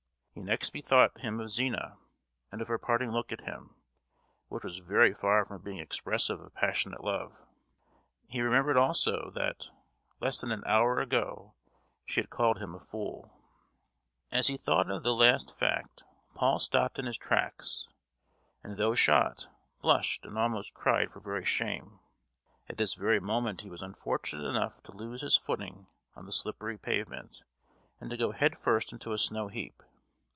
He next bethought him of Zina, and of her parting look at him, which was very far from being expressive of passionate love; he remembered also, that, less than an hour ago she had called him a fool. As he thought of the last fact Paul stopped in his tracks, as though shot; blushed, and almost cried for very shame! At this very moment he was unfortunate enough to lose his footing on the slippery pavement, and to go head first into a snow heap.